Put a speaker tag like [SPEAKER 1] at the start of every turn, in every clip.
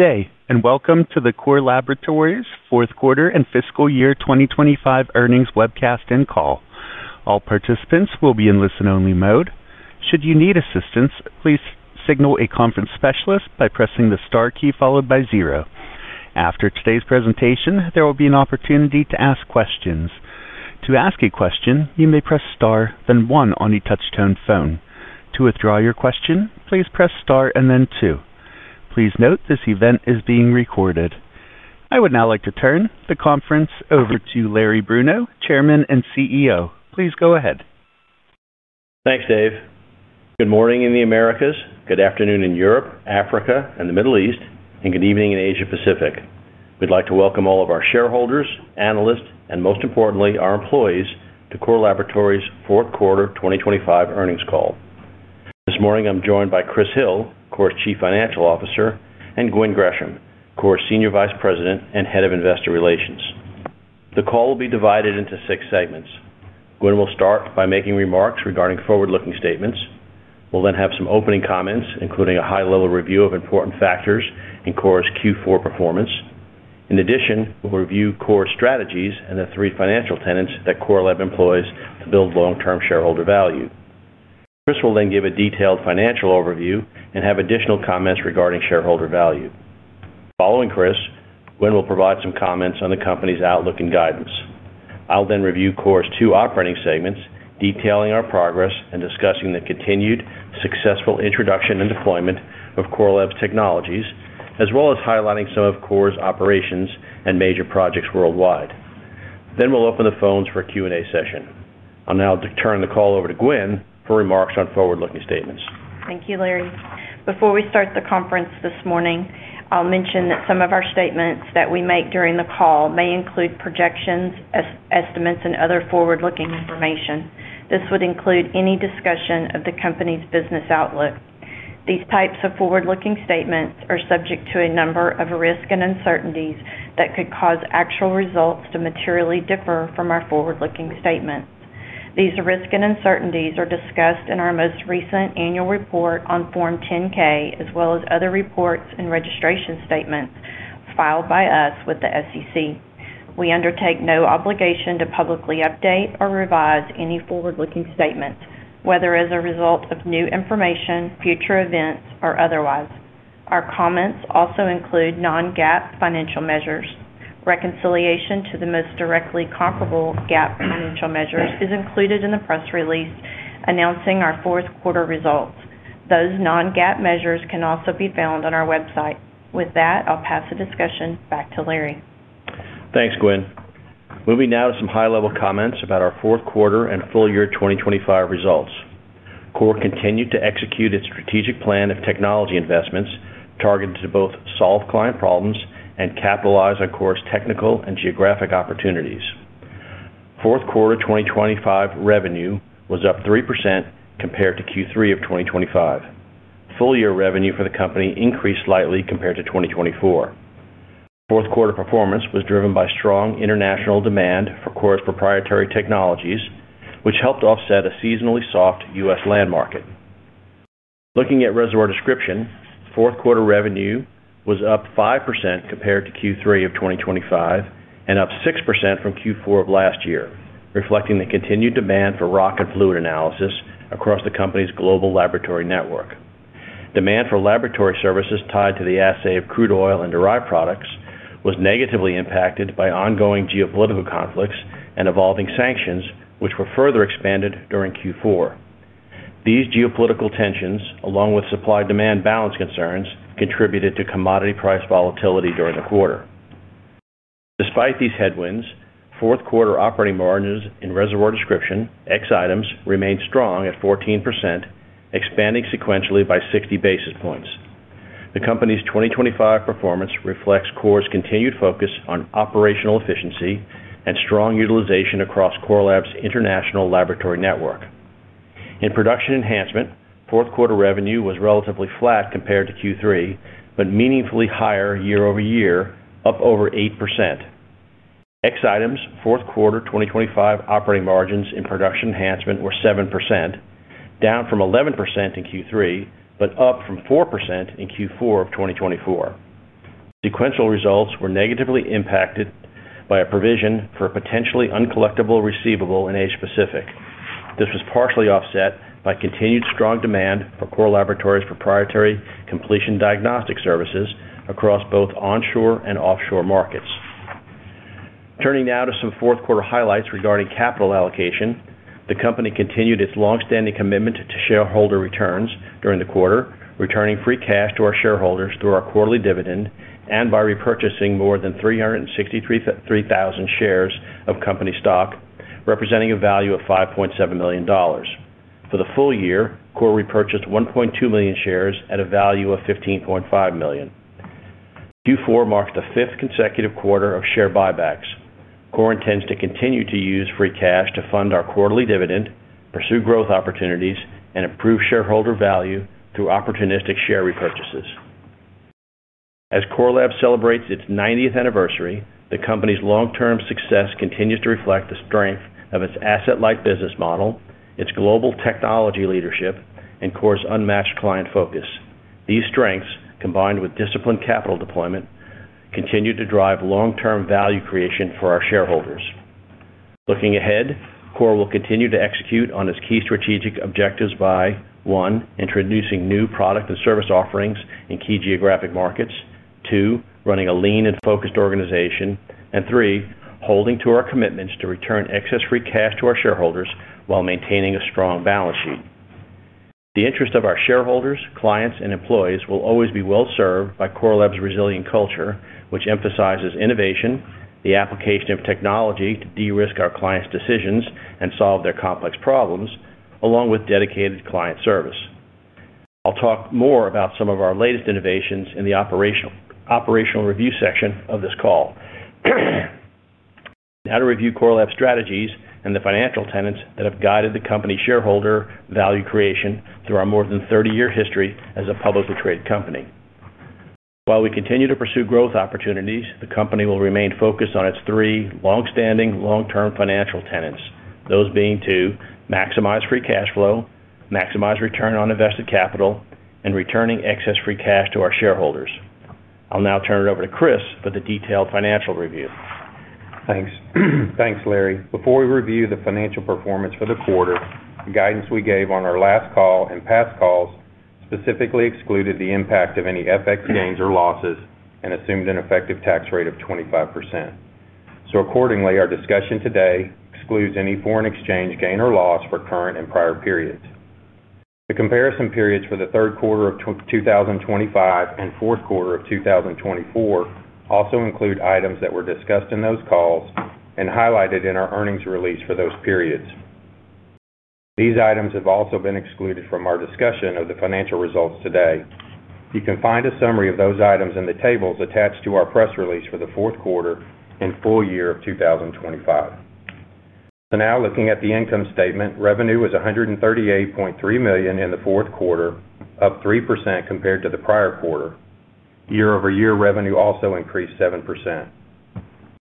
[SPEAKER 1] Good day, and welcome to the Core Laboratories fourth quarter and fiscal year 2025 earnings webcast and call. All participants will be in listen-only mode. Should you need assistance, please signal a conference specialist by pressing the star key followed by zero. After today's presentation, there will be an opportunity to ask questions. To ask a question, you may press Star, then one on your touchtone phone. To withdraw your question, please press Star and then two. Please note, this event is being recorded. I would now like to turn the conference over to Larry Bruno, Chairman and CEO. Please go ahead.
[SPEAKER 2] Thanks, Dave. Good morning in the Americas, good afternoon in Europe, Africa, and the Middle East, and good evening in Asia Pacific. We'd like to welcome all of our shareholders, analysts, and most importantly, our employees, to Core Laboratories' fourth quarter 2025 earnings call. This morning, I'm joined by Chris Hill, Core's Chief Financial Officer, and Gwen Gresham, Core's Senior Vice President and Head of Investor Relations. The call will be divided into six segments. Gwen will start by making remarks regarding forward-looking statements. We'll then have some opening comments, including a high-level review of important factors in Core's Q4 performance. In addition, we'll review Core's strategies and the three financial tenets that Core Lab employs to build long-term shareholder value. Chris will then give a detailed financial overview and have additional comments regarding shareholder value. Following Chris, Gwen will provide some comments on the company's outlook and guidance. I'll then review Core's two operating segments, detailing our progress and discussing the continued successful introduction and deployment of Core Lab's technologies, as well as highlighting some of Core's operations and major projects worldwide. Then we'll open the phones for a Q&A session. I'll now turn the call over to Gwen for remarks on forward-looking statements.
[SPEAKER 3] Thank you, Larry. Before we start the conference this morning, I'll mention that some of our statements that we make during the call may include projections, estimates, and other forward-looking information. This would include any discussion of the company's business outlook. These types of forward-looking statements are subject to a number of risks and uncertainties that could cause actual results to materially differ from our forward-looking statements. These risks and uncertainties are discussed in our most recent annual report on Form 10-K, as well as other reports and registration statements filed by us with the SEC. We undertake no obligation to publicly update or revise any forward-looking statements, whether as a result of new information, future events, or otherwise. Our comments also include non-GAAP financial measures. Reconciliation to the most directly comparable GAAP financial measures is included in the press release announcing our fourth quarter results. Those non-GAAP measures can also be found on our website. With that, I'll pass the discussion back to Larry.
[SPEAKER 2] Thanks, Gwen. Moving now to some high-level comments about our fourth quarter and full year 2025 results. Core continued to execute its strategic plan of technology investments targeted to both solve client problems and capitalize on Core's technical and geographic opportunities. Fourth quarter 2025 revenue was up 3% compared to Q3 of 2025. Full year revenue for the company increased slightly compared to 2024. Fourth quarter performance was driven by strong international demand for Core's proprietary technologies, which helped offset a seasonally soft US land market. Looking at Reservoir Description, fourth quarter revenue was up 5% compared to Q3 of 2025 and up 6% from Q4 of last year, reflecting the continued demand for rock and fluid analysis across the company's global laboratory network. Demand for laboratory services tied to the assay of crude oil and derived products was negatively impacted by ongoing geopolitical conflicts and evolving sanctions, which were further expanded during Q4. These geopolitical tensions, along with supply-demand balance concerns, contributed to commodity price volatility during the quarter. Despite these headwinds, fourth quarter operating margins in Reservoir Description, ex items, remained strong at 14%, expanding sequentially by 60 basis points. The company's 2025 performance reflects Core's continued focus on operational efficiency and strong utilization across Core Lab's international laboratory network. In production enhancement, fourth quarter revenue was relatively flat compared to Q3, but meaningfully higher year-over-year, up over 8%. Ex items, fourth quarter 2025 operating margins in production enhancement were 7%, down from 11% in Q3, but up from 4% in Q4 of 2024. Sequential results were negatively impacted by a provision for a potentially uncollectible receivable in Asia Pacific. This was partially offset by continued strong demand for Core Laboratories' proprietary completion diagnostic services across both onshore and offshore markets. Turning now to some fourth quarter highlights regarding capital allocation. The company continued its longstanding commitment to shareholder returns during the quarter, returning free cash to our shareholders through our quarterly dividend and by repurchasing more than 363,000 shares of company stock, representing a value of $5.7 million. For the full year, Core repurchased 1.2 million shares at a value of $15.5 million. Q4 marked the fifth consecutive quarter of share buybacks. Core intends to continue to use free cash to fund our quarterly dividend, pursue growth opportunities, and improve shareholder value through opportunistic share repurchases. As Core Lab celebrates its ninetieth anniversary, the company's long-term success continues to reflect the strength of its asset-light business model, its global technology leadership, and Core's unmatched client focus. These strengths, combined with disciplined capital deployment, continue to drive long-term value creation for our shareholders. Looking ahead, Core will continue to execute on its key strategic objectives by, one, introducing new product and service offerings in key geographic markets, two, running a lean and focused organization, and three, holding to our commitments to return excess free cash to our shareholders while maintaining a strong balance sheet. The interest of our shareholders, clients, and employees will always be well served by Core Lab's resilient culture, which emphasizes innovation, the application of technology to de-risk our clients' decisions and solve their complex problems, along with dedicated client service. I'll talk more about some of our latest innovations in the operational, operational review section of this call. Now to review Core Lab strategies and the financial tenets that have guided the company shareholder value creation through our more than 30-year history as a publicly traded company. While we continue to pursue growth opportunities, the company will remain focused on its three long-standing, long-term financial tenets. Those being to maximize free cash flow, maximize return on invested capital, and returning excess free cash to our shareholders. I'll now turn it over to Chris for the detailed financial review.
[SPEAKER 4] Thanks. Thanks, Larry. Before we review the financial performance for the quarter, the guidance we gave on our last call and past calls specifically excluded the impact of any FX gains or losses and assumes an effective tax rate of 25%. So accordingly, our discussion today excludes any foreign exchange gain or loss for current and prior periods. The comparison periods for the third quarter of 2025 and fourth quarter of 2024 also include items that were discussed in those calls and highlighted in our earnings release for those periods. These items have also been excluded from our discussion of the financial results today. You can find a summary of those items in the tables attached to our press release for the fourth quarter and full year of 2025. So now, looking at the income statement, revenue was $138.3 million in the fourth quarter, up 3% compared to the prior quarter. Year-over-year revenue also increased 7%.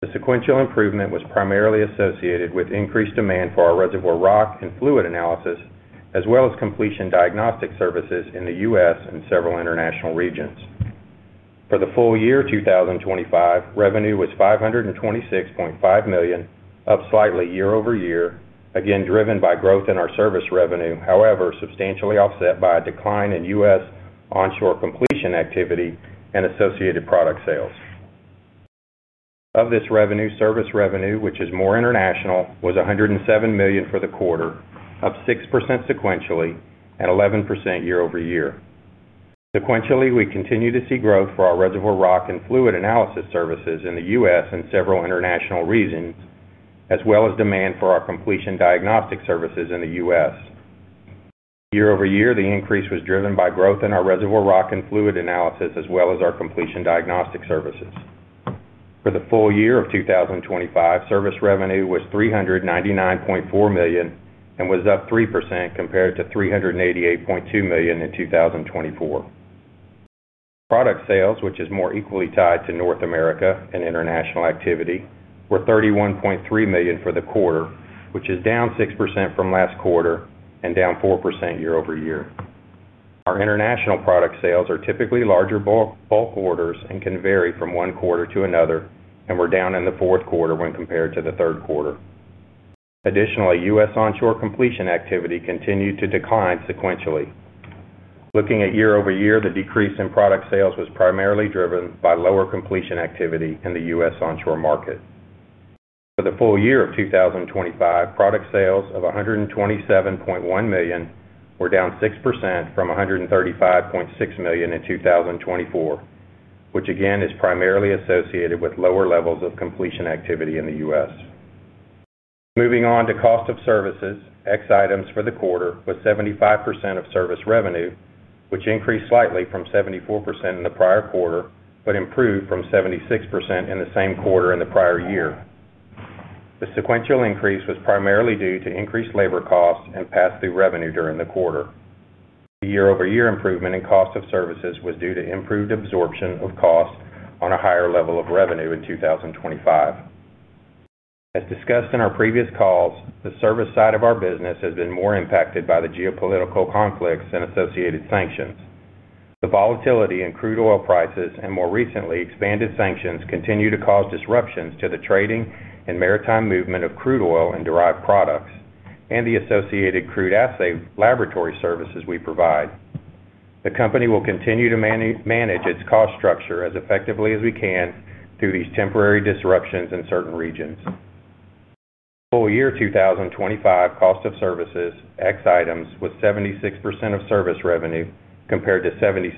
[SPEAKER 4] The sequential improvement was primarily associated with increased demand for our reservoir rock and fluid analysis, as well as completion diagnostic services in the U.S. and several international regions. For the full year 2025, revenue was $526.5 million, up slightly year-over-year, again, driven by growth in our service revenue. However, substantially offset by a decline in US onshore completion activity and associated product sales. Of this revenue, service revenue, which is more international, was $107 million for the quarter, up 6% sequentially and 11% year-over-year. Sequentially, we continue to see growth for our reservoir rock and fluid analysis services in the U.S. and several international regions, as well as demand for our completion diagnostic services in the U.S. Year-over-year, the increase was driven by growth in our reservoir rock and fluid analysis, as well as our completion diagnostic services. For the full year of 2025, service revenue was $399.4 million, and was up 3% compared to $388.2 million in 2024. Product sales, which is more equally tied to North America and international activity, were $31.3 million for the quarter, which is down 6% from last quarter and down 4% year-over-year. Our international product sales are typically larger bulk orders and can vary from one quarter to another, and we're down in the fourth quarter when compared to the third quarter. Additionally, US onshore completion activity continued to decline sequentially. Looking at year-over-year, the decrease in product sales was primarily driven by lower completion activity in the US onshore market. For the full year of 2025, product sales of $127.1 million were down 6% from $135.6 million in 2024, which again, is primarily associated with lower levels of completion activity in the U.S. Moving on to cost of services, cost items for the quarter was 75% of service revenue, which increased slightly from 74% in the prior quarter, but improved from 76% in the same quarter in the prior year. The sequential increase was primarily due to increased labor costs and pass-through revenue during the quarter. The year-over-year improvement in cost of services was due to improved absorption of costs on a higher level of revenue in 2025. As discussed in our previous calls, the service side of our business has been more impacted by the geopolitical conflicts and associated sanctions. The volatility in crude oil prices, and more recently, expanded sanctions, continue to cause disruptions to the trading and maritime movement of crude oil and derived products, and the associated crude assay laboratory services we provide. The company will continue to manage its cost structure as effectively as we can through these temporary disruptions in certain regions. Full year 2025, cost of services, ex items, was 76% of service revenue, compared to 77%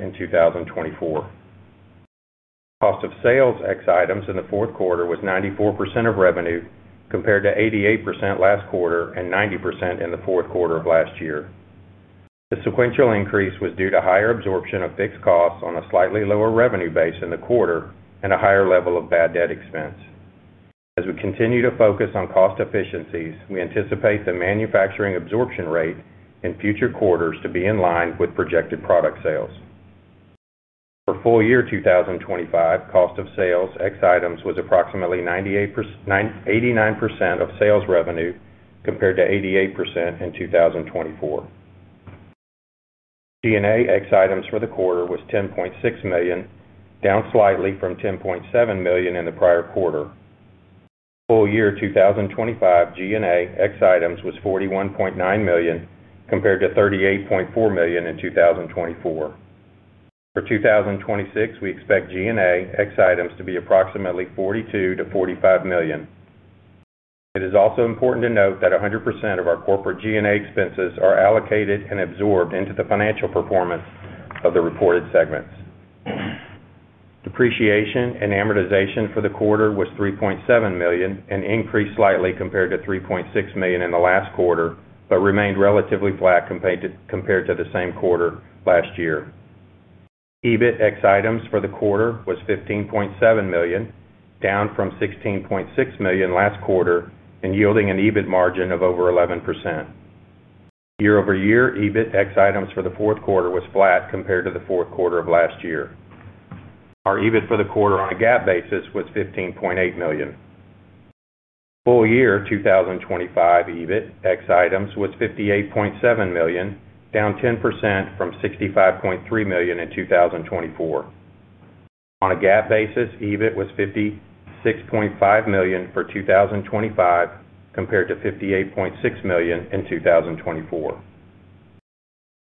[SPEAKER 4] in 2024. Cost of sales, ex items, in the fourth quarter was 94% of revenue, compared to 88% last quarter and 90% in the fourth quarter of last year. The sequential increase was due to higher absorption of fixed costs on a slightly lower revenue base in the quarter and a higher level of bad debt expense. As we continue to focus on cost efficiencies, we anticipate the manufacturing absorption rate in future quarters to be in line with projected product sales. For full year 2025, cost of sales, ex items, was approximately 89% of sales revenue, compared to 88% in 2024. G&A ex items for the quarter was $10.6 million, down slightly from $10.7 million in the prior quarter. Full year 2025, G&A ex items was $41.9 million, compared to $38.4 million in 2024. For 2026, we expect G&A ex items to be approximately $42 million-$45 million. It is also important to note that 100% of our corporate G&A expenses are allocated and absorbed into the financial performance of the reported segments. Depreciation and amortization for the quarter was $3.7 million, and increased slightly compared to $3.6 million in the last quarter, but remained relatively flat compared to the same quarter last year. EBIT ex items for the quarter was $15.7 million, down from $16.6 million last quarter, and yielding an EBIT margin of over 11%. Year-over-year, EBIT ex items for the fourth quarter was flat compared to the fourth quarter of last year. Our EBIT for the quarter on a GAAP basis was $15.8 million. Full year 2025 EBIT ex items was $58.7 million, down 10% from $65.3 million in 2024. On a GAAP basis, EBIT was $56.5 million for 2025, compared to $58.6 million in 2024.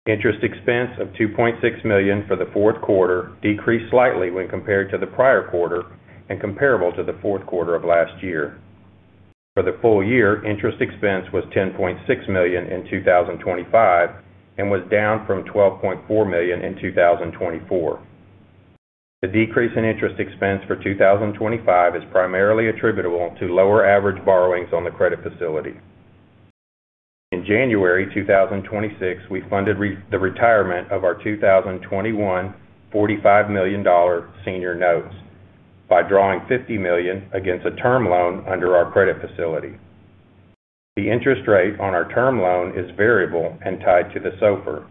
[SPEAKER 4] Interest expense of $2.6 million for the fourth quarter decreased slightly when compared to the prior quarter and comparable to the fourth quarter of last year. For the full year, interest expense was $10.6 million in 2025, and was down from $12.4 million in 2024. The decrease in interest expense for 2025 is primarily attributable to lower average borrowings on the credit facility. In January 2026, we funded the retirement of our 2021 $45 million senior notes by drawing $50 million against a term loan under our credit facility. The interest rate on our term loan is variable and tied to the SOFR,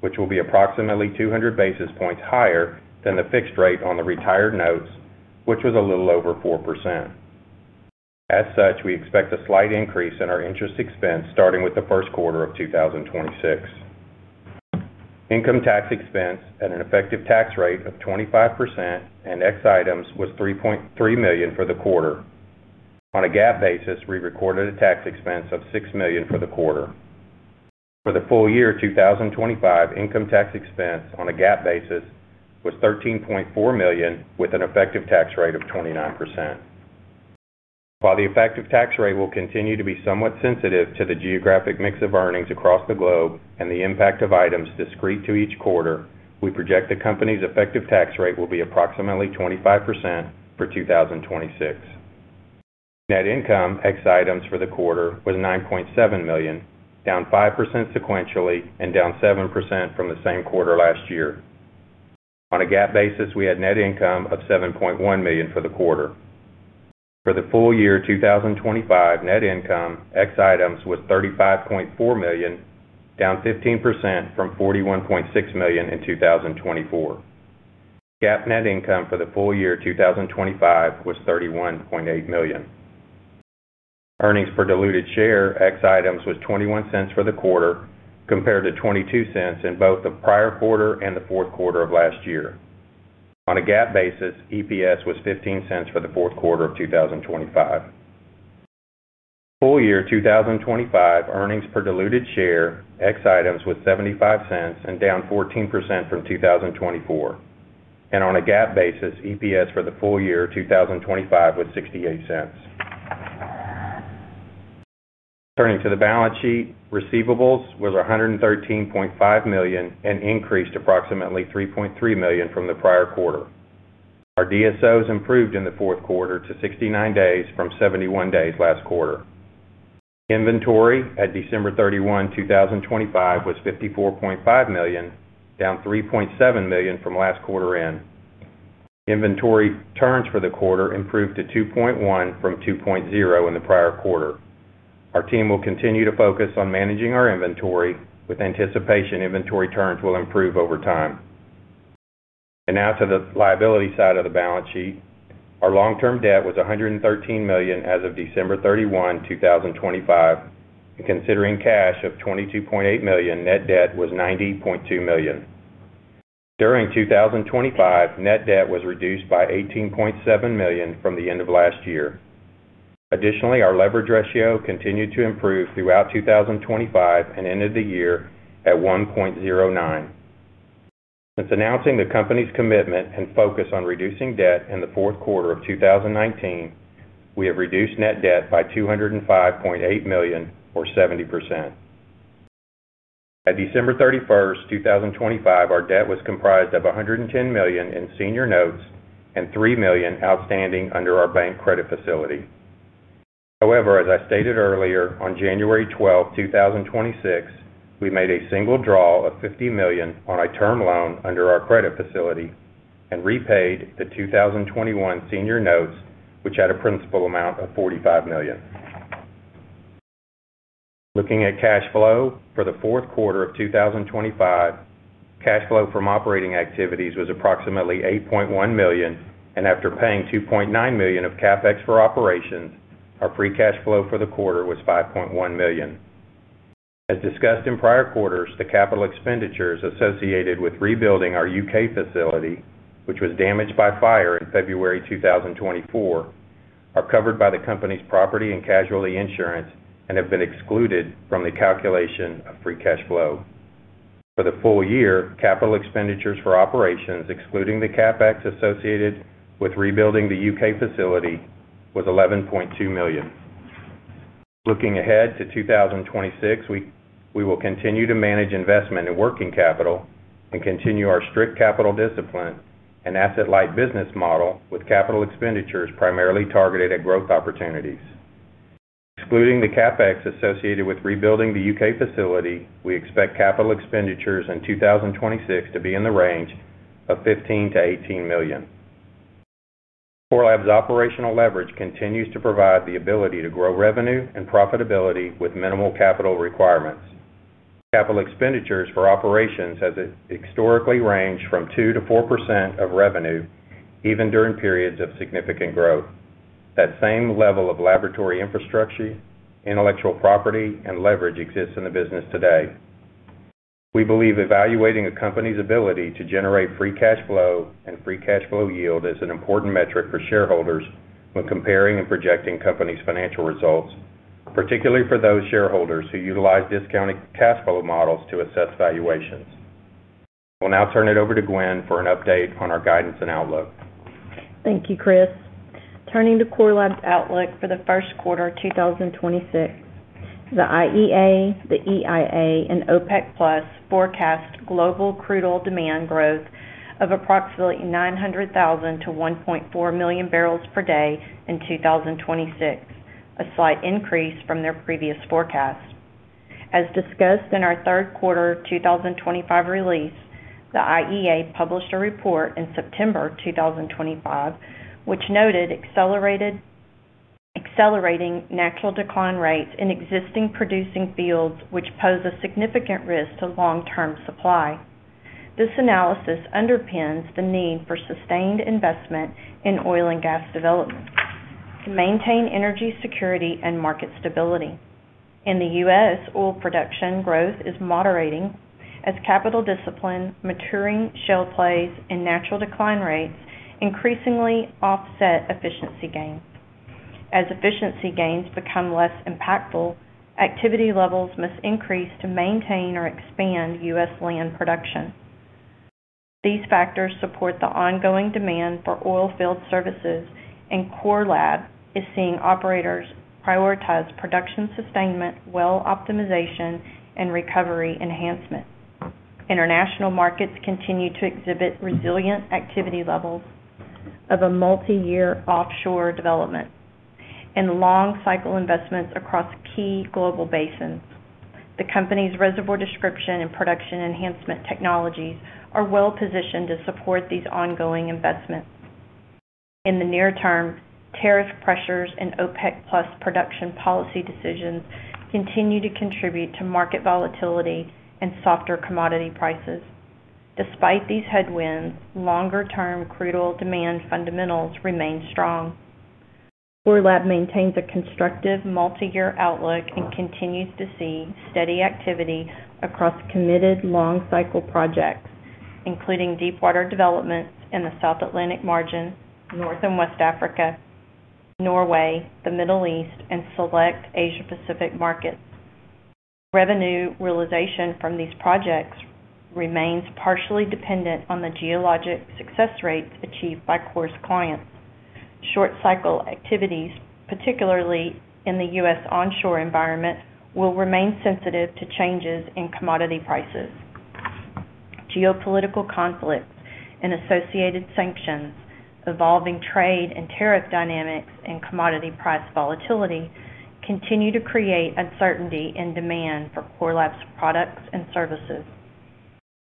[SPEAKER 4] which will be approximately 200 basis points higher than the fixed rate on the retired notes, which was a little over 4%. As such, we expect a slight increase in our interest expense, starting with the first quarter of 2026. Income tax expense at an effective tax rate of 25% and ex items was $3.3 million for the quarter. On a GAAP basis, we recorded a tax expense of $6 million for the quarter. For the full year 2025, income tax expense on a GAAP basis was $13.4 million, with an effective tax rate of 29%. While the effective tax rate will continue to be somewhat sensitive to the geographic mix of earnings across the globe and the impact of items discrete to each quarter, we project the company's effective tax rate will be approximately 25% for 2026. Net income ex items for the quarter was $9.7 million, down 5% sequentially and down 7% from the same quarter last year. On a GAAP basis, we had net income of $7.1 million for the quarter. For the full year 2025, net income ex items was $35.4 million, down 15% from $41.6 million in 2024. GAAP net income for the full year 2025 was $31.8 million. Earnings per diluted share ex items was $0.21 for the quarter, compared to $0.22 in both the prior quarter and the fourth quarter of last year. On a GAAP basis, EPS was $0.15 for the fourth quarter of 2025. Full year 2025, earnings per diluted share ex items was $0.75 and down 14% from 2024. On a GAAP basis, EPS for the full year 2025 was $0.68. Turning to the balance sheet, receivables was $113.5 million and increased approximately $3.3 million from the prior quarter. Our DSOs improved in the fourth quarter to 69 days from 71 days last quarter. Inventory at December 31, 2025, was $54.5 million, down $3.7 million from last quarter end. Inventory turns for the quarter improved to 2.1 from 2.0 in the prior quarter. Our team will continue to focus on managing our inventory with anticipation inventory turns will improve over time. Now to the liability side of the balance sheet. Our long-term debt was $113 million as of December 31, 2025. Considering cash of $22.8 million, net debt was $90.2 million. During 2025, net debt was reduced by $18.7 million from the end of last year. Additionally, our leverage ratio continued to improve throughout 2025, and ended the year at 1.09. Since announcing the company's commitment and focus on reducing debt in the fourth quarter of 2019, we have reduced net debt by $205.8 million, or 70%. At December 31, 2025, our debt was comprised of $110 million in senior notes and $3 million outstanding under our bank credit facility. However, as I stated earlier, on January 12, 2026, we made a single draw of $50 million on a term loan under our credit facility and repaid the 2021 senior notes, which had a principal amount of $45 million. Looking at cash flow for the fourth quarter of 2025, cash flow from operating activities was approximately $8.1 million, and after paying $2.9 million of CapEx for operations, our free cash flow for the quarter was $5.1 million. As discussed in prior quarters, the capital expenditures associated with rebuilding our UK facility, which was damaged by fire in February 2024, are covered by the company's property and casualty insurance and have been excluded from the calculation of free cash flow. For the full year, capital expenditures for operations, excluding the CapEx associated with rebuilding the UK facility, was $11.2 million. Looking ahead to 2026, we will continue to manage investment in working capital and continue our strict capital discipline and asset-light business model, with capital expenditures primarily targeted at growth opportunities. Excluding the CapEx associated with rebuilding the UK facility, we expect capital expenditures in 2026 to be in the range of $15 million-$18 million. Core Lab's operational leverage continues to provide the ability to grow revenue and profitability with minimal capital requirements. Capital expenditures for operations has historically ranged from 2%-4% of revenue, even during periods of significant growth. That same level of laboratory infrastructure, intellectual property, and leverage exists in the business today. We believe evaluating a company's ability to generate free cash flow and free cash flow yield is an important metric for shareholders when comparing and projecting companies' financial results, particularly for those shareholders who utilize discounted cash flow models to assess valuations. We'll now turn it over to Gwen for an update on our guidance and outlook.
[SPEAKER 3] Thank you, Chris. Turning to Core Lab's outlook for the first quarter 2026, the IEA, the EIA, and OPEC+ forecast global crude oil demand growth of approximately 900,000-1.4 million barrels per day in 2026, a slight increase from their previous forecast. As discussed in our third quarter 2025 release, the IEA published a report in September 2025, which noted accelerating natural decline rates in existing producing fields, which pose a significant risk to long-term supply. This analysis underpins the need for sustained investment in oil and gas development to maintain energy security and market stability. In the U.S., oil production growth is moderating as capital discipline, maturing shale plays, and natural decline rates increasingly offset efficiency gains. As efficiency gains become less impactful, activity levels must increase to maintain or expand US land production. These factors support the ongoing demand for oilfield services, and Core Lab is seeing operators prioritize production sustainment, well optimization, and recovery enhancement. International markets continue to exhibit resilient activity levels of a multiyear offshore development and long-cycle investments across key global basins. The company's Reservoir Description and production enhancement technologies are well-positioned to support these ongoing investments. In the near term, tariff pressures and OPEC+ production policy decisions continue to contribute to market volatility and softer commodity prices. Despite these headwinds, longer-term crude oil demand fundamentals remain strong. Core Lab maintains a constructive multiyear outlook and continues to see steady activity across committed long-cycle projects, including deepwater developments in the South Atlantic margin, North and West Africa, Norway, the Middle East, and select Asia-Pacific markets. Revenue realization from these projects remains partially dependent on the geologic success rates achieved by Core's clients. Short-cycle activities, particularly in the US onshore environment, will remain sensitive to changes in commodity prices. Geopolitical conflicts and associated sanctions, evolving trade and tariff dynamics, and commodity price volatility continue to create uncertainty in demand for Core Lab's products and services.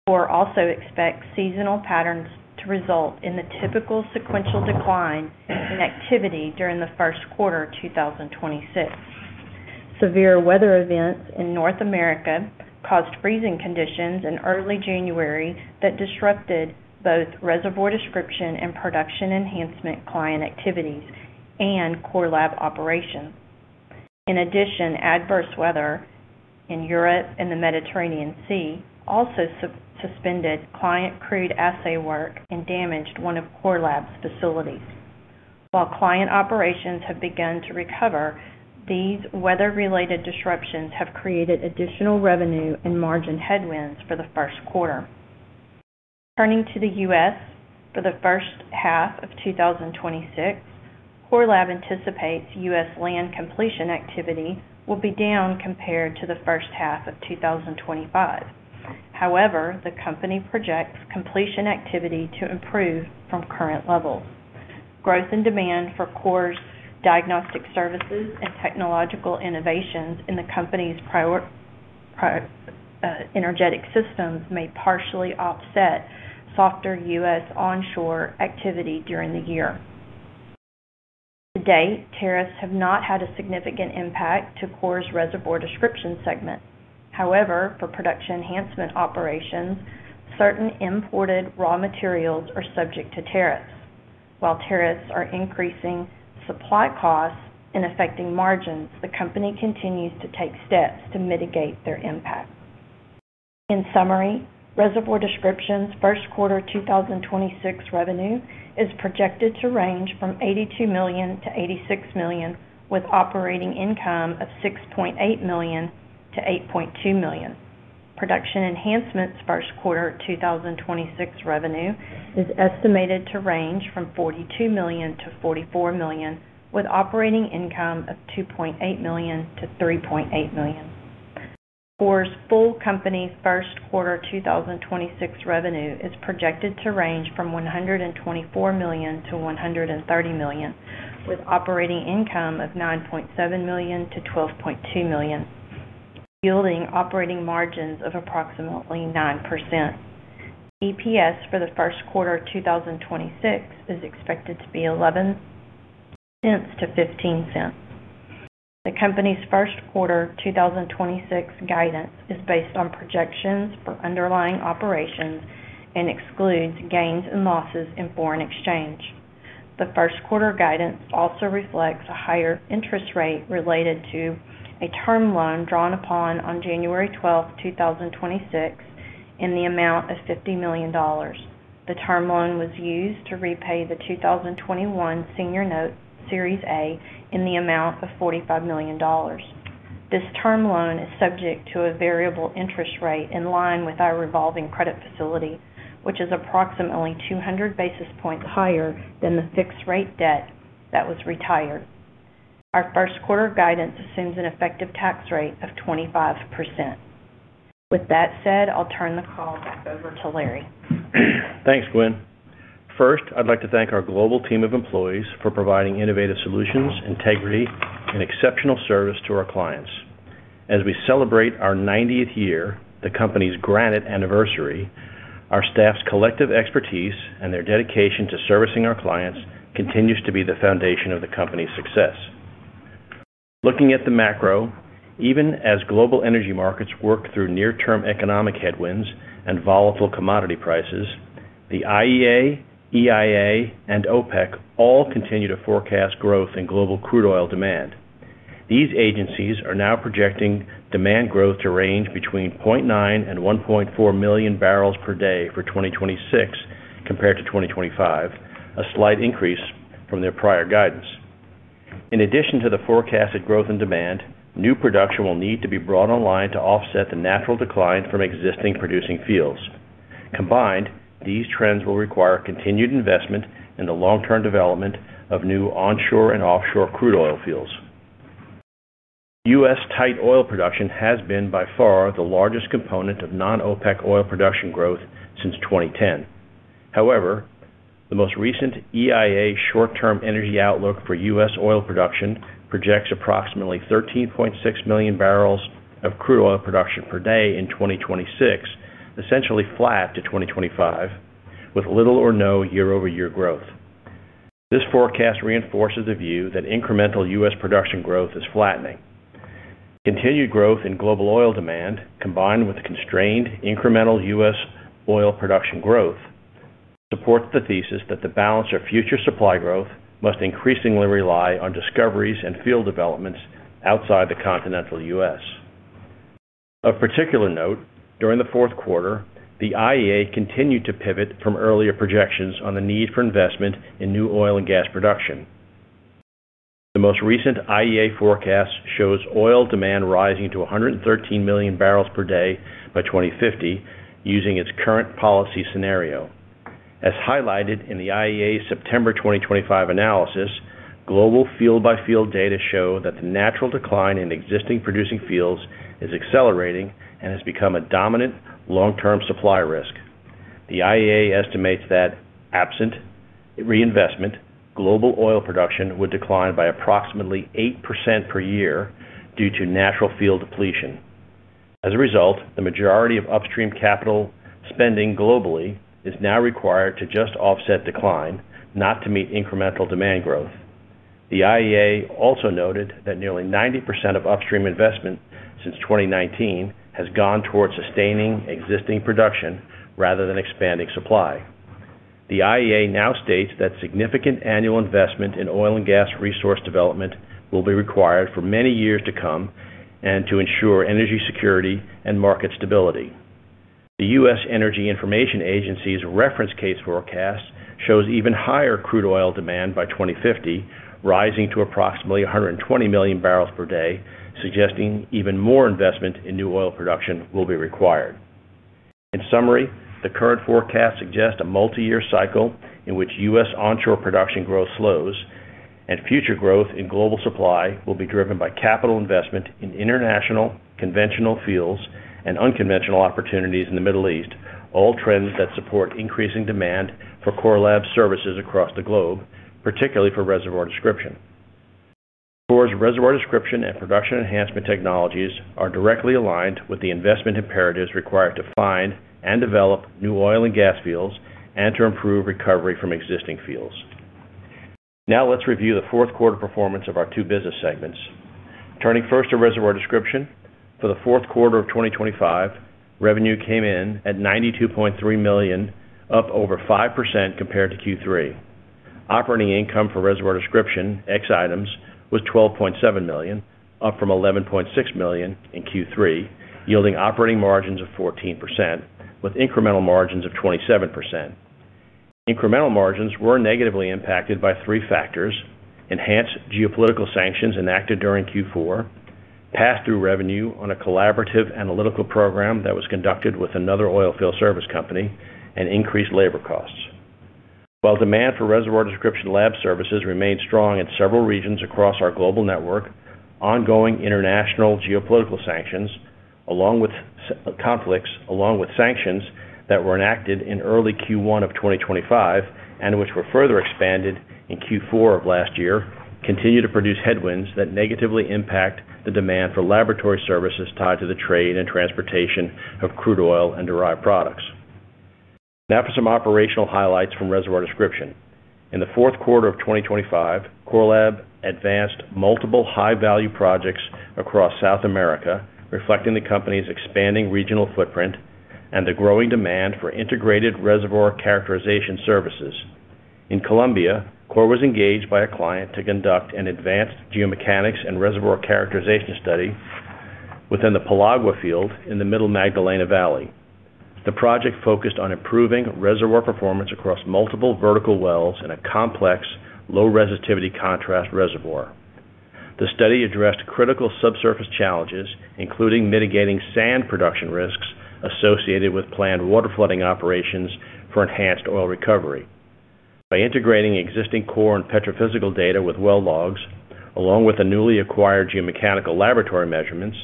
[SPEAKER 3] Core also expects seasonal patterns to result in the typical sequential decline in activity during the first quarter 2026. Severe weather events in North America caused freezing conditions in early January that disrupted both Reservoir Description and production enhancement client activities and Core Lab operations. In addition, adverse weather in Europe and the Mediterranean Sea also suspended client crude assay work and damaged one of Core Lab's facilities. While client operations have begun to recover, these weather-related disruptions have created additional revenue and margin headwinds for the first quarter. Turning to the U.S., for the first half of 2026, Core Lab anticipates US land completion activity will be down compared to the first half of 2025. However, the company projects completion activity to improve from current levels. Growth and demand for Core's diagnostic services and technological innovations in the company's proprietary energetic systems may partially offset softer US onshore activity during the year. To date, tariffs have not had a significant impact to Core's Reservoir Description segment. However, for production enhancement operations, certain imported raw materials are subject to tariffs. While tariffs are increasing supply costs and affecting margins, the company continues to take steps to mitigate their impact. In summary, Reservoir Description's first quarter 2026 revenue is projected to range from $82 million-$86 million, with operating income of $6.8 million-$8.2 million. Production enhancements, first quarter 2026 revenue is estimated to range from $42 million-$44 million, with operating income of $2.8 million-$3.8 million. Core's full company's first quarter 2026 revenue is projected to range from $124 million-$130 million, with operating income of $9.7 million-$12.2 million, yielding operating margins of approximately 9%. EPS for the first quarter of 2026 is expected to be $0.11-$0.15. The company's first quarter 2026 guidance is based on projections for underlying operations and excludes gains and losses in foreign exchange. The first quarter guidance also reflects a higher interest rate related to a term loan drawn upon on January 12, 2026, in the amount of $50 million. The term loan was used to repay the 2021 senior note, Series A, in the amount of $45 million. This term loan is subject to a variable interest rate in line with our revolving credit facility, which is approximately 200 basis points higher than the fixed rate debt that was retired. Our first quarter guidance assumes an effective tax rate of 25%. With that said, I'll turn the call back over to Larry.
[SPEAKER 2] Thanks, Gwen. First, I'd like to thank our global team of employees for providing innovative solutions, integrity, and exceptional service to our clients. As we celebrate our 90th year, the company's granite anniversary, our staff's collective expertise and their dedication to servicing our clients continues to be the foundation of the company's success. Looking at the macro, even as global energy markets work through near-term economic headwinds and volatile commodity prices, the IEA, EIA, and OPEC all continue to forecast growth in global crude oil demand. These agencies are now projecting demand growth to range between 0.9 and 1.4 million barrels per day for 2026 compared to 2025, a slight increase from their prior guidance. In addition to the forecasted growth in demand, new production will need to be brought online to offset the natural decline from existing producing fields. Combined, these trends will require continued investment in the long-term development of new onshore and offshore crude oil fields. U.S. tight oil production has been, by far, the largest component of non-OPEC oil production growth since 2010. However, the most recent EIA short-term energy outlook for US oil production projects approximately 13.6 million barrels of crude oil production per day in 2026, essentially flat to 2025, with little or no year-over-year growth. This forecast reinforces the view that incremental US production growth is flattening. Continued growth in global oil demand, combined with constrained incremental US production growth, supports the thesis that the balance of future supply growth must increasingly rely on discoveries and field developments outside the continental U.S. Of particular note, during the fourth quarter, the IEA continued to pivot from earlier projections on the need for investment in new oil and gas production. The most recent IEA forecast shows oil demand rising to 113 million barrels per day by 2050, using its current policy scenario. As highlighted in the IEA September 2025 analysis, global field-by-field data show that the natural decline in existing producing fields is accelerating and has become a dominant long-term supply risk. The IEA estimates that absent reinvestment, global oil production would decline by approximately 8% per year due to natural field depletion. As a result, the majority of upstream capital spending globally is now required to just offset decline, not to meet incremental demand growth. The IEA also noted that nearly 90% of upstream investment since 2019 has gone towards sustaining existing production rather than expanding supply. The IEA now states that significant annual investment in oil and gas resource development will be required for many years to come and to ensure energy security and market stability. The US Energy Information Administration's reference case forecast shows even higher crude oil demand by 2050, rising to approximately 120 million barrels per day, suggesting even more investment in new oil production will be required. In summary, the current forecast suggests a multiyear cycle in which US onshore production growth slows, and future growth in global supply will be driven by capital investment in international, conventional fields, and unconventional opportunities in the Middle East, all trends that support increasing demand for Core Lab services across the globe, particularly for Reservoir Description. Core's Reservoir Description and production enhancement technologies are directly aligned with the investment imperatives required to find and develop new oil and gas fields, and to improve recovery from existing fields... Now let's review the fourth quarter performance of our two business segments. Turning first to Reservoir Description. For the fourth quarter of 2025, revenue came in at $92.3 million, up over 5% compared to Q3. Operating income for Reservoir Description, ex items, was $12.7 million, up from $11.6 million in Q3, yielding operating margins of 14%, with incremental margins of 27%. Incremental margins were negatively impacted by three factors: enhanced geopolitical sanctions enacted during Q4, pass-through revenue on a collaborative analytical program that was conducted with another oil field service company, and increased labor costs. While demand for Reservoir Description lab services remained strong in several regions across our global network, ongoing international geopolitical sanctions, along with sanctions that were enacted in early Q1 of 2025, and which were further expanded in Q4 of last year, continue to produce headwinds that negatively impact the demand for laboratory services tied to the trade and transportation of crude oil and derived products. Now for some operational highlights from Reservoir Description. In the fourth quarter of 2025, Core Lab advanced multiple high-value projects across South America, reflecting the company's expanding regional footprint and the growing demand for integrated reservoir characterization services. In Colombia, Core was engaged by a client to conduct an advanced geomechanics and reservoir characterization study within the Palagua Field in the Middle Magdalena Valley. The project focused on improving reservoir performance across multiple vertical wells in a complex, low-resistivity contrast reservoir. The study addressed critical subsurface challenges, including mitigating sand production risks associated with planned water flooding operations for enhanced oil recovery. By integrating existing core and petrophysical data with well logs, along with the newly acquired geomechanical laboratory measurements,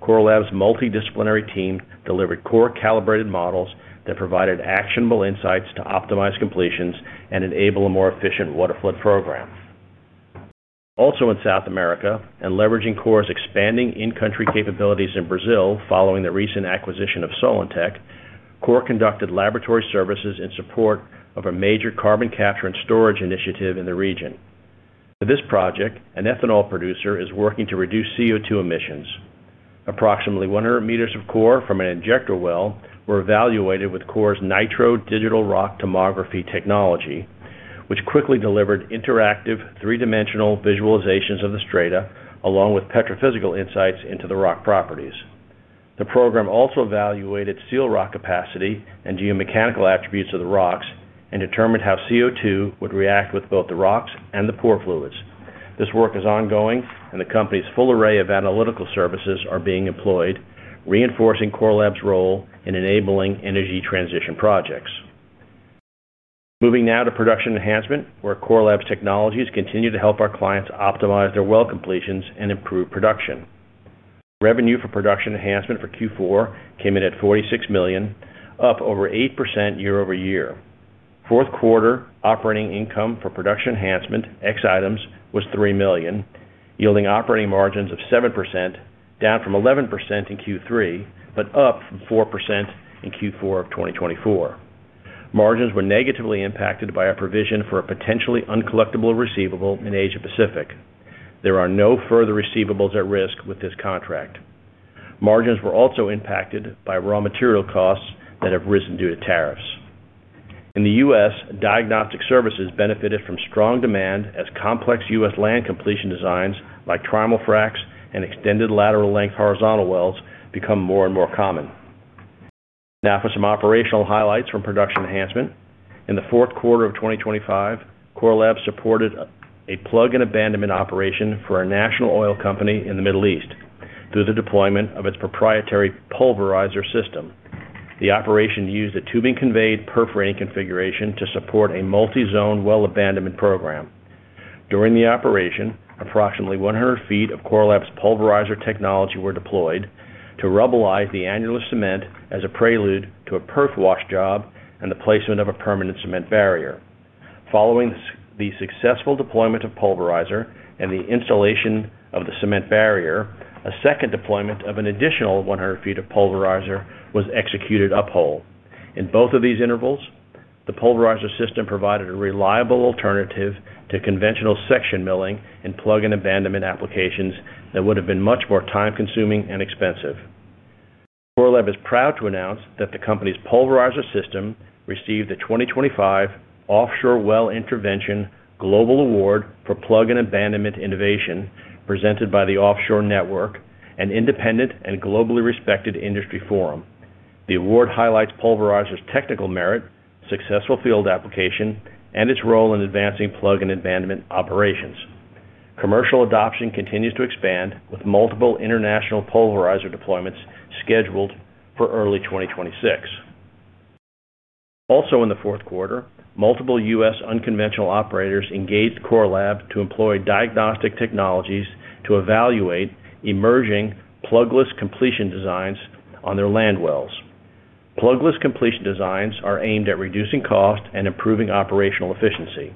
[SPEAKER 2] Core Lab's multidisciplinary team delivered core calibrated models that provided actionable insights to optimize completions and enable a more efficient water flood program. Also, in South America, and leveraging Core's expanding in-country capabilities in Brazil, following the recent acquisition of Solintec, Core conducted laboratory services in support of a major carbon capture and storage initiative in the region. For this project, an ethanol producer is working to reduce CO2 emissions. Approximately 100 meters of core from an injector well were evaluated with Core's Nitro Digital Rock Tomography technology, which quickly delivered interactive, three-dimensional visualizations of the strata, along with petrophysical insights into the rock properties. The program also evaluated seal rock capacity and geomechanical attributes of the rocks and determined how CO2 would react with both the rocks and the pore fluids. This work is ongoing, and the company's full array of analytical services are being employed, reinforcing Core Lab's role in enabling energy transition projects. Moving now to production enhancement, where Core Lab's technologies continue to help our clients optimize their well completions and improve production. Revenue for production enhancement for Q4 came in at $46 million, up over 8% year-over-year. Fourth quarter operating income for production enhancement, ex items, was $3 million, yielding operating margins of 7%, down from 11% in Q3, but up from 4% in Q4 of 2024. Margins were negatively impacted by a provision for a potentially uncollectible receivable in Asia Pacific. There are no further receivables at risk with this contract. Margins were also impacted by raw material costs that have risen due to tariffs. In the U.S., diagnostic services benefited from strong demand as complex US land completion designs, like trial fracs and extended lateral length horizontal wells, become more and more common. Now for some operational highlights from production enhancement. In the fourth quarter of 2025, Core Lab supported a plug-and-abandonment operation for a national oil company in the Middle East through the deployment of its proprietary Pulverizer system. The operation used a tubing-conveyed perforating configuration to support a multi-zone well abandonment program. During the operation, approximately 100 feet of Core Lab's Pulverizer technology were deployed to rubblize the annular cement as a prelude to a perf wash job and the placement of a permanent cement barrier. Following the successful deployment of Pulverizer and the installation of the cement barrier, a second deployment of an additional 100 feet of Pulverizer was executed uphole. In both of these intervals, the Pulverizer system provided a reliable alternative to conventional section milling and plug-and-abandonment applications that would have been much more time-consuming and expensive. Core Lab is proud to announce that the company's Pulverizer system received the 2025 Offshore Well Intervention Global Award for Plug and Abandonment Innovation, presented by the Offshore Network, an independent and globally respected industry forum. The award highlights Pulverizer's technical merit, successful field application, and its role in advancing plug-and-abandonment operations. Commercial adoption continues to expand, with multiple international Pulverizer deployments scheduled for early 2026. Also in the fourth quarter, multiple U.S. unconventional operators engaged Core Lab to employ diagnostic technologies to evaluate emerging plugless completion designs on their land wells. Plugless completion designs are aimed at reducing cost and improving operational efficiency.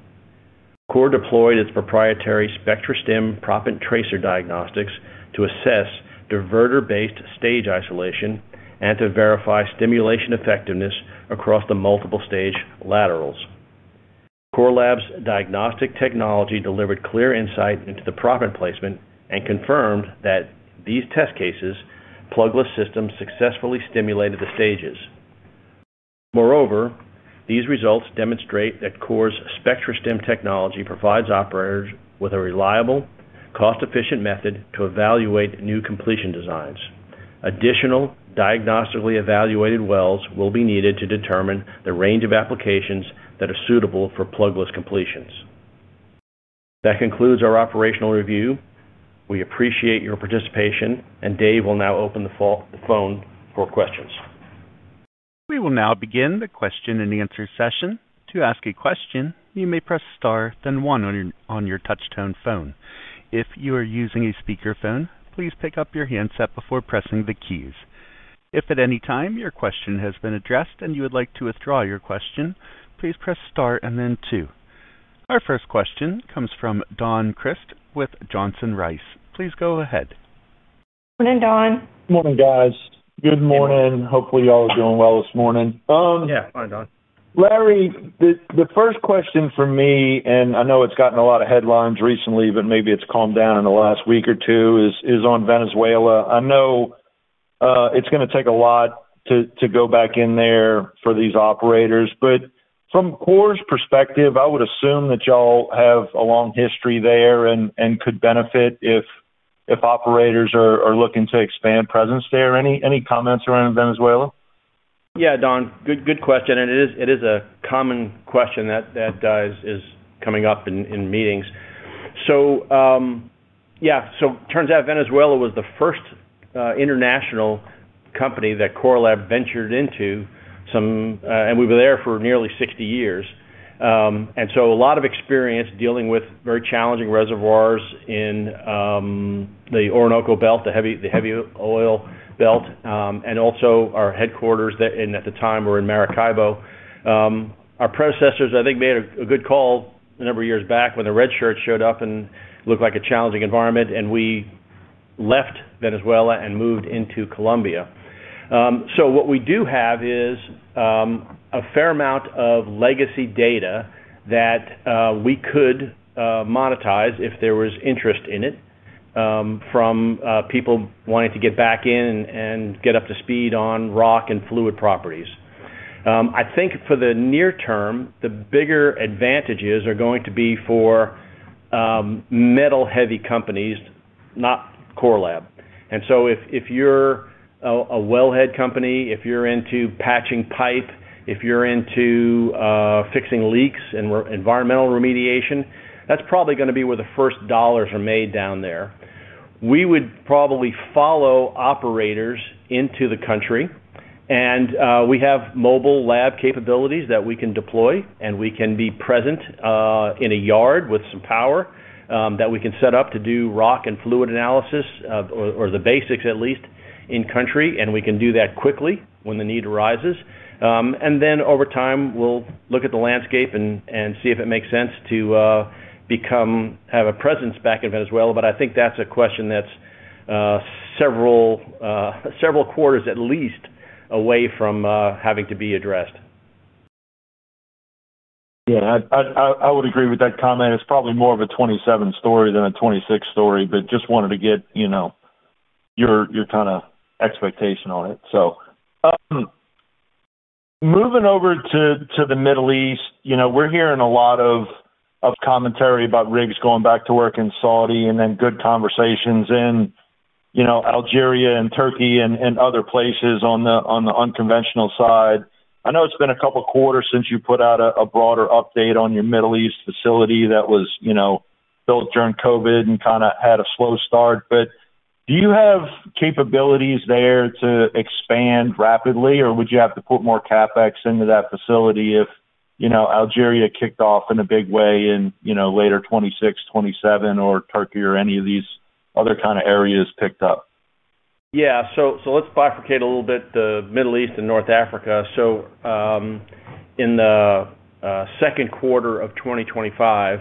[SPEAKER 2] Core deployed its proprietary SpectraStim proppant tracer diagnostics to assess diverter-based stage isolation and to verify stimulation effectiveness across the multiple stage laterals. Core Lab's diagnostic technology delivered clear insight into the proppant placement and confirmed that these test cases, plugless system, successfully stimulated the stages. Moreover, these results demonstrate that Core's SpectraStim technology provides operators with a reliable, cost-efficient method to evaluate new completion designs. Additional diagnostically evaluated wells will be needed to determine the range of applications that are suitable for plugless completions. That concludes our operational review. We appreciate your participation, and Dave will now open the floor for questions.
[SPEAKER 1] We will now begin the question-and-answer session. To ask a question, you may press star, then one on your touchtone phone. If you are using a speakerphone, please pick up your handset before pressing the keys. If at any time your question has been addressed and you would like to withdraw your question, please press star and then two. Our first question comes from Don Crist with Johnson Rice. Please go ahead.
[SPEAKER 3] Good morning, Don.
[SPEAKER 5] Good morning, guys. Good morning. Hopefully, y'all are doing well this morning.
[SPEAKER 2] Yeah. Hi, Don.
[SPEAKER 5] Larry, the first question from me, and I know it's gotten a lot of headlines recently, but maybe it's calmed down in the last week or two, is on Venezuela. I know, it's gonna take a lot to go back in there for these operators, but from Core's perspective, I would assume that y'all have a long history there and could benefit if operators are looking to expand presence there. Any comments around Venezuela?
[SPEAKER 2] Yeah, Don. Good question, and it is a common question that guys is coming up in meetings. So, yeah, so turns out Venezuela was the first international company that Core Lab ventured into some. And we've been there for nearly 60 years. And so a lot of experience dealing with very challenging reservoirs in the Orinoco Belt, the heavy oil belt, and also our headquarters, and at the time, were in Maracaibo. Our predecessors, I think, made a good call a number of years back when the red shirts showed up and looked like a challenging environment, and we left Venezuela and moved into Colombia. So what we do have is a fair amount of legacy data that we could monetize if there was interest in it from people wanting to get back in and get up to speed on rock and fluid properties. I think for the near term, the bigger advantages are going to be for metal-heavy companies, not Core Lab. So if you're a well head company, if you're into patching pipe, if you're into fixing leaks and environmental remediation, that's probably gonna be where the first dollars are made down there. We would probably follow operators into the country, and we have mobile lab capabilities that we can deploy, and we can be present in a yard with some power that we can set up to do rock and fluid analysis, or the basics, at least, in country, and we can do that quickly when the need arises. And then, over time, we'll look at the landscape and see if it makes sense to have a presence back in Venezuela. But I think that's a question that's several quarters at least away from having to be addressed.
[SPEAKER 5] Yeah, I would agree with that comment. It's probably more of a 2027 story than a 2026 story, but just wanted to get, you know, your kinda expectation on it. So, moving over to the Middle East, you know, we're hearing a lot of commentary about rigs going back to work in Saudi and then good conversations in, you know, Algeria and Turkey and other places on the unconventional side. I know it's been a couple quarters since you put out a broader update on your Middle East facility that was, you know, built during COVID and kinda had a slow start. But do you have capabilities there to expand rapidly, or would you have to put more CapEx into that facility if, you know, Algeria kicked off in a big way in, you know, later 2026, 2027 or Turkey or any of these other kinda areas picked up?
[SPEAKER 2] Yeah. So let's bifurcate a little bit, the Middle East and North Africa. So, in the second quarter of 2025,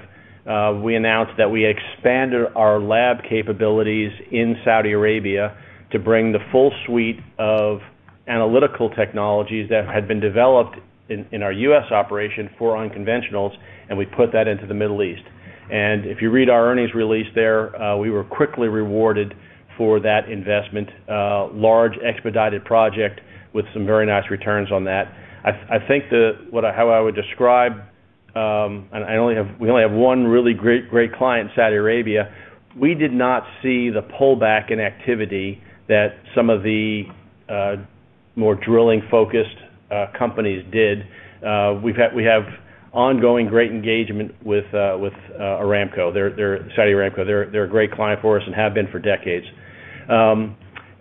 [SPEAKER 2] we announced that we expanded our lab capabilities in Saudi Arabia to bring the full suite of analytical technologies that had been developed in our US operation for unconventionals, and we put that into the Middle East. And if you read our earnings release there, we were quickly rewarded for that investment. Large expedited project with some very nice returns on that. I think how I would describe, and we only have one really great client in Saudi Arabia. We did not see the pullback in activity that some of the more drilling-focused companies did. We have ongoing great engagement with Aramco. They're Saudi Aramco. They're a great client for us and have been for decades.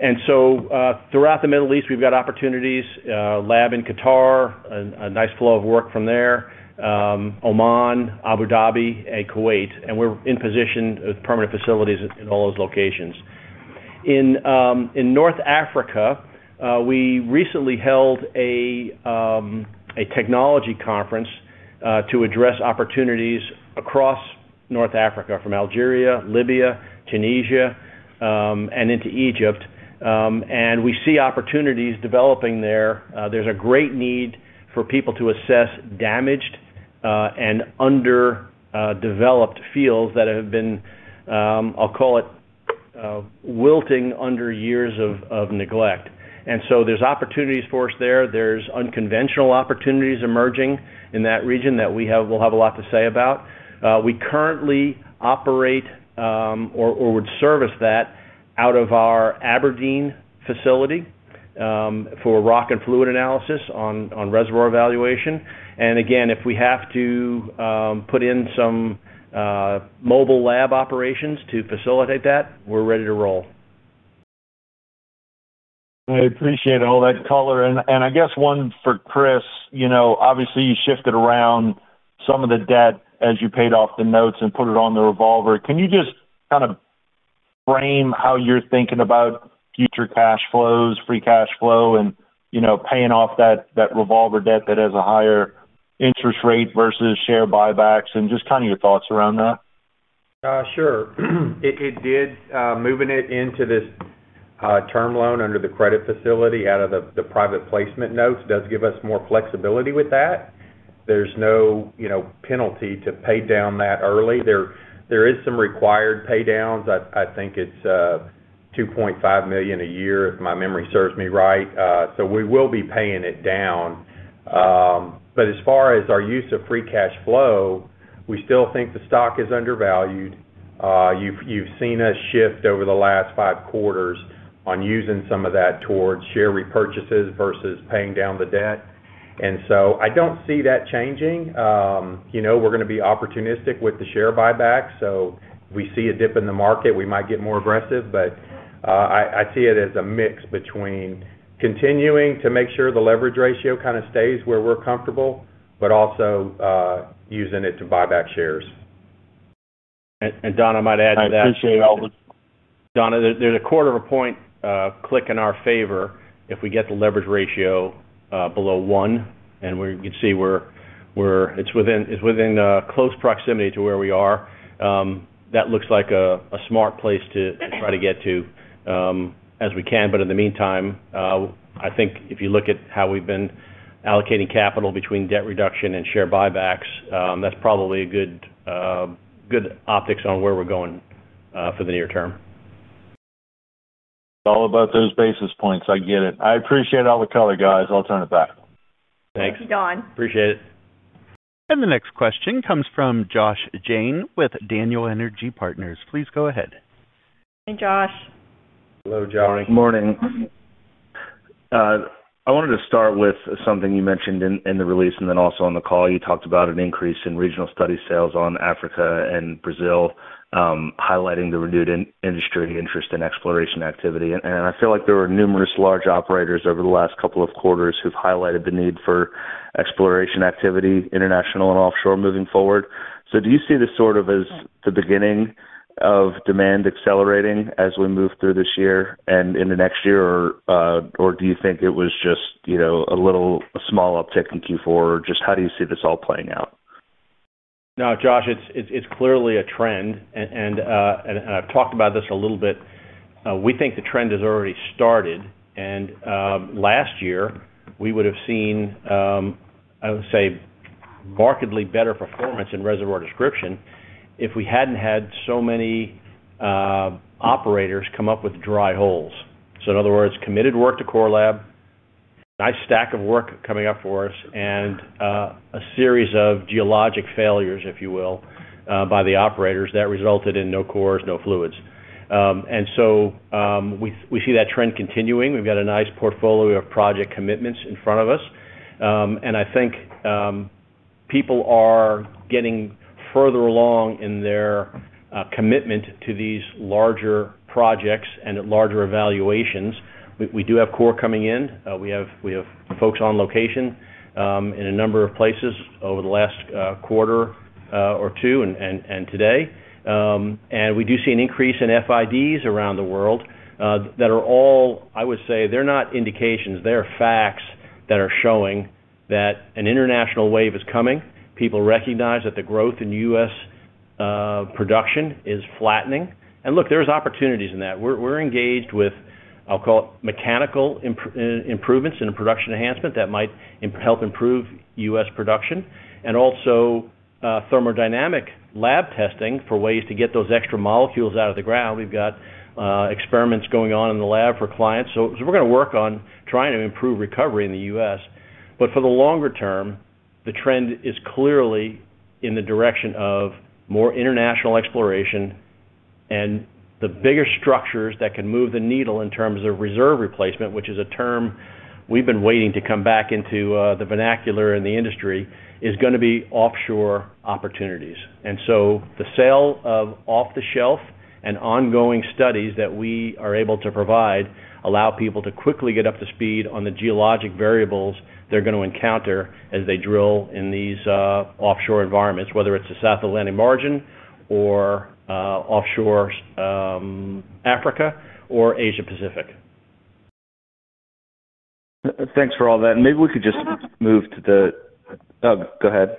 [SPEAKER 2] And so, throughout the Middle East, we've got opportunities, lab in Qatar, a nice flow of work from there, Oman, Abu Dhabi, and Kuwait, and we're in position with permanent facilities in all those locations. In North Africa, we recently held a technology conference to address opportunities across North Africa, from Algeria, Libya, Tunisia, and into Egypt. And we see opportunities developing there. There's a great need for people to assess damaged and underdeveloped fields that have been, I'll call it, wilting under years of neglect. And so there's opportunities for us there. There's unconventional opportunities emerging in that region that we have-- we'll have a lot to say about. We currently operate or would service that out of our Aberdeen facility for rock and fluid analysis on reservoir evaluation. And again, if we have to put in some mobile lab operations to facilitate that, we're ready to roll.
[SPEAKER 5] I appreciate all that color. And I guess one for Chris, you know, obviously, you shifted around some of the debt as you paid off the notes and put it on the revolver. Can you just kind of frame how you're thinking about future cash flows, free cash flow, and, you know, paying off that revolver debt that has a higher interest rate versus share buybacks, and just kind of your thoughts around that?
[SPEAKER 4] Sure. It did, moving it into this term loan under the credit facility, out of the private placement notes, does give us more flexibility with that. There's no, you know, penalty to pay down that early. There is some required pay downs. I think it's $2.5 million a year, if my memory serves me right. So we will be paying it down. But as far as our use of free cash flow, we still think the stock is undervalued. You've seen us shift over the last five quarters on using some of that towards share repurchases versus paying down the debt, and so I don't see that changing. You know, we're gonna be opportunistic with the share buyback, so if we see a dip in the market, we might get more aggressive. But I see it as a mix between continuing to make sure the leverage ratio kinda stays where we're comfortable, but also using it to buy back shares.
[SPEAKER 2] Don, I might add to that-
[SPEAKER 5] I appreciate it Larry,.
[SPEAKER 2] Don, there's 0.25 of a point click in our favor if we get the leverage ratio below 1, and we can see where we're. It's within close proximity to where we are. That looks like a smart place to try to get to as we can. But in the meantime, I think if you look at how we've been allocating capital between debt reduction and share buybacks, that's probably a good optics on where we're going for the near term.
[SPEAKER 5] It's all about those basis points. I get it. I appreciate all the color, guys. I'll turn it back.
[SPEAKER 4] Thanks.
[SPEAKER 3] Thank you, Don.
[SPEAKER 2] Appreciate it.
[SPEAKER 1] The next question comes from Josh Jayne with Daniel Energy Partners. Please go ahead.
[SPEAKER 3] Hey, Josh.
[SPEAKER 4] Hello, Josh.
[SPEAKER 6] Morning. I wanted to start with something you mentioned in, in the release and then also on the call. You talked about an increase in regional study sales on Africa and Brazil, highlighting the renewed industry interest in exploration activity. And I feel like there were numerous large operators over the last couple of quarters who've highlighted the need for exploration activity, international and offshore, moving forward. So do you see this sort of as the beginning of demand accelerating as we move through this year and in the next year? Or, or do you think it was just, you know, a little small uptick in Q4? Just how do you see this all playing out?
[SPEAKER 2] No, Josh, it's clearly a trend. And I've talked about this a little bit. We think the trend has already started. And last year, we would have seen, I would say, markedly better performance in Reservoir Description if we hadn't had so many operators come up with dry holes. So in other words, committed work to Core Lab, nice stack of work coming up for us, and a series of geologic failures, if you will, by the operators that resulted in no cores, no fluids. And so we see that trend continuing. We've got a nice portfolio of project commitments in front of us. And I think people are getting further along in their commitment to these larger projects and larger evaluations. We do have Core coming in. We have folks on location in a number of places over the last quarter or two, and today. We do see an increase in FIDs around the world that are all... I would say, they're not indications, they are facts that are showing that an international wave is coming. People recognize that the growth in US production is flattening. And look, there's opportunities in that. We're engaged with, I'll call it, mechanical improvements in a production enhancement that might help improve US production, and also thermodynamic lab testing for ways to get those extra molecules out of the ground. We've got experiments going on in the lab for clients, so we're gonna work on trying to improve recovery in the U.S. But for the longer term, the trend is clearly in the direction of more international exploration and the bigger structures that can move the needle in terms of reserve replacement, which is a term we've been waiting to come back into, the vernacular in the industry, is gonna be offshore opportunities. And so the sale of off-the-shelf and ongoing studies that we are able to provide, allow people to quickly get up to speed on the geologic variables they're going to encounter as they drill in these, offshore environments, whether it's the South Atlantic margin or, offshore, Africa or Asia Pacific....
[SPEAKER 6] Thanks for all that. Maybe we could just move to the-- go ahead.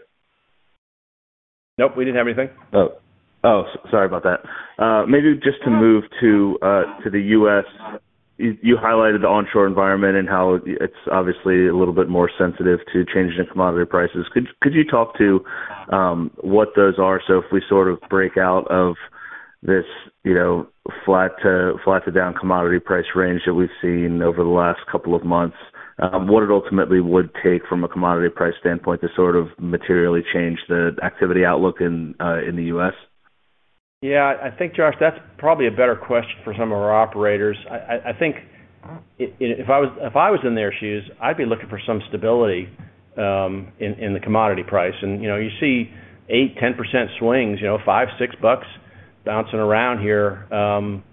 [SPEAKER 2] Nope, we didn't have anything.
[SPEAKER 6] Oh. Oh, sorry about that. Maybe just to move to the US. You highlighted the onshore environment and how it's obviously a little bit more sensitive to changes in commodity prices. Could you talk to what those are? So if we sort of break out of this, you know, flat to down commodity price range that we've seen over the last couple of months, what it ultimately would take from a commodity price standpoint to sort of materially change the activity outlook in the US?
[SPEAKER 2] Yeah, I think, Josh, that's probably a better question for some of our operators. I think if I was, if I was in their shoes, I'd be looking for some stability in the commodity price. And, you know, you see 8-10% swings, you know, $5-$6 bouncing around here.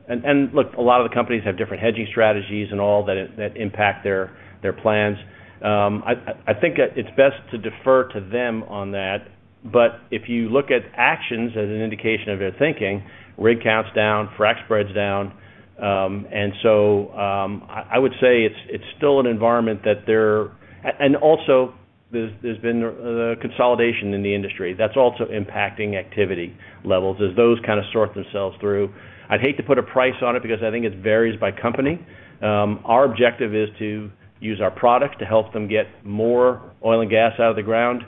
[SPEAKER 2] And look, a lot of the companies have different hedging strategies and all that that impact their plans. I think it's best to defer to them on that. But if you look at actions as an indication of their thinking, rig count's down, frac spread's down. And so, I would say it's still an environment that they're—and also, there's been the consolidation in the industry. That's also impacting activity levels as those kind of sort themselves through. I'd hate to put a price on it because I think it varies by company. Our objective is to use our product to help them get more oil and gas out of the ground,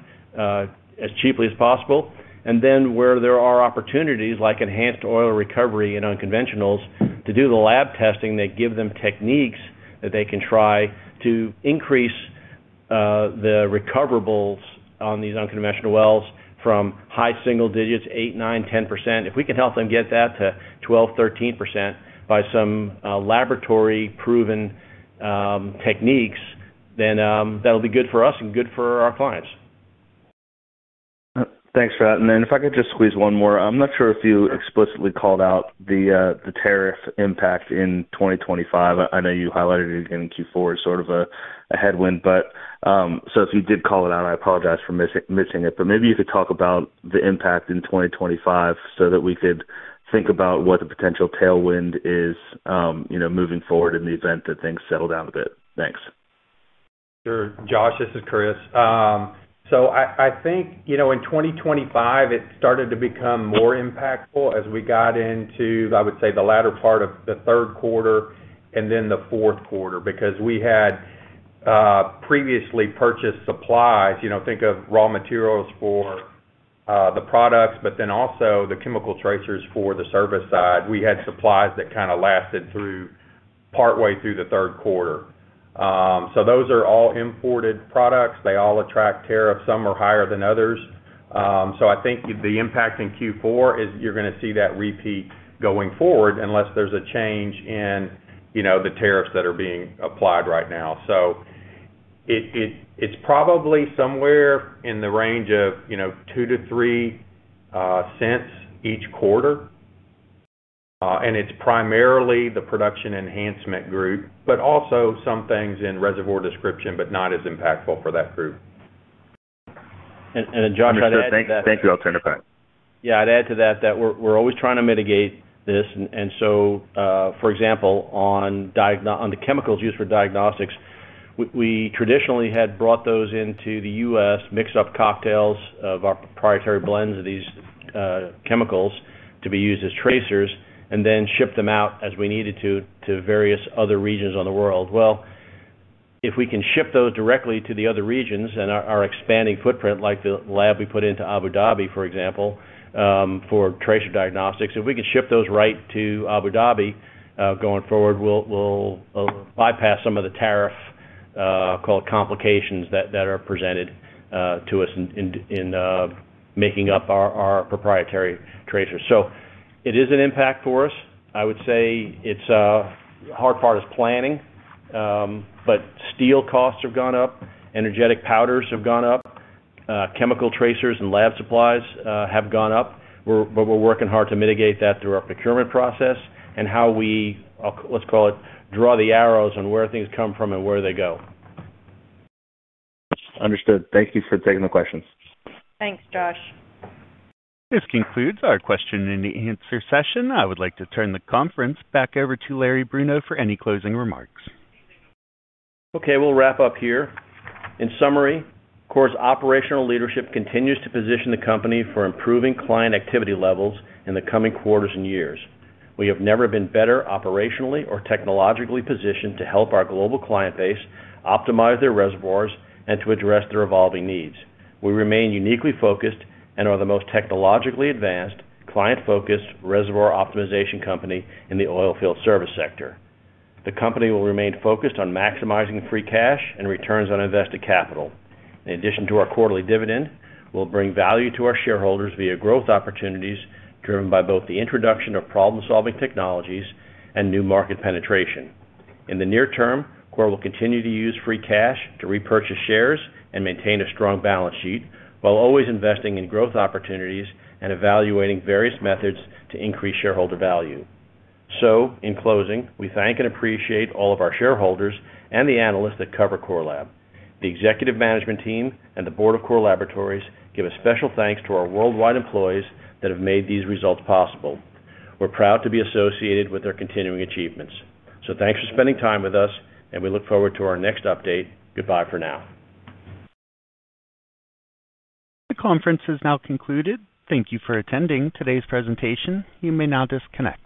[SPEAKER 2] as cheaply as possible. And then, where there are opportunities, like enhanced oil recovery and unconventionals, to do the lab testing that give them techniques that they can try to increase, the recoverables on these unconventional wells from high single digits, 8, 9, 10%. If we can help them get that to 12, 13% by some, laboratory-proven, techniques, then, that'll be good for us and good for our clients.
[SPEAKER 6] Thanks for that. And then if I could just squeeze one more. I'm not sure if you explicitly called out the, the tariff impact in 2025. I know you highlighted it in Q4 as sort of a, a headwind, but, so if you did call it out, I apologize for missing it. But maybe you could talk about the impact in 2025 so that we could think about what the potential tailwind is, you know, moving forward in the event that things settle down a bit. Thanks.
[SPEAKER 4] Sure. Josh, this is Chris. So I think, you know, in 2025, it started to become more impactful as we got into, I would say, the latter part of the third quarter and then the fourth quarter, because we had previously purchased supplies. You know, think of raw materials for the products, but then also the chemical tracers for the service side. We had supplies that kinda lasted through partway through the third quarter. So those are all imported products. They all attract tariffs. Some are higher than others. So I think the impact in Q4 is you're gonna see that repeat going forward, unless there's a change in, you know, the tariffs that are being applied right now. So it's probably somewhere in the range of, you know, $0.02-$0.03 each quarter, and it's primarily the Production Enhancement group, but also some things in Reservoir Description, but not as impactful for that group.
[SPEAKER 2] And, Josh, I'd add to that-
[SPEAKER 6] Thank you. I'll turn it back.
[SPEAKER 2] Yeah, I'd add to that, that we're always trying to mitigate this. And so, for example, on the chemicals used for diagnostics, we traditionally had brought those into the U.S., mixed up cocktails of our proprietary blends of these chemicals to be used as tracers, and then shipped them out as we needed to various other regions of the world. Well, if we can ship those directly to the other regions and our expanding footprint, like the lab we put into Abu Dhabi, for example, for tracer diagnostics, if we can ship those right to Abu Dhabi, going forward, we'll bypass some of the tariff call it complications that are presented to us in making up our proprietary tracers. So it is an impact for us. I would say it's hard part is planning, but steel costs have gone up, energetic powders have gone up, chemical tracers and lab supplies have gone up. But we're working hard to mitigate that through our procurement process and how we, let's call it, draw the arrows on where things come from and where they go.
[SPEAKER 6] Understood. Thank you for taking the questions.
[SPEAKER 3] Thanks, Josh.
[SPEAKER 1] This concludes our question-and-answer session. I would like to turn the conference back over to Larry Bruno for any closing remarks.
[SPEAKER 2] Okay, we'll wrap up here. In summary, Core's operational leadership continues to position the company for improving client activity levels in the coming quarters and years. We have never been better operationally or technologically positioned to help our global client base optimize their reservoirs and to address their evolving needs. We remain uniquely focused and are the most technologically advanced, client-focused, reservoir optimization company in the oil field service sector. The company will remain focused on maximizing free cash and returns on invested capital. In addition to our quarterly dividend, we'll bring value to our shareholders via growth opportunities, driven by both the introduction of problem-solving technologies and new market penetration. In the near term, Core will continue to use free cash to repurchase shares and maintain a strong balance sheet, while always investing in growth opportunities and evaluating various methods to increase shareholder value. In closing, we thank and appreciate all of our shareholders and the analysts that cover Core Lab. The executive management team and the board of Core Laboratories give a special thanks to our worldwide employees that have made these results possible. We're proud to be associated with their continuing achievements. So thanks for spending time with us, and we look forward to our next update. Goodbye for now.
[SPEAKER 1] The conference is now concluded. Thank you for attending today's presentation. You may now disconnect.